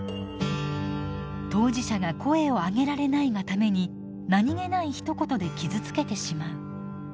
当事者が声を上げられないがために何気ないひと言で傷つけてしまう。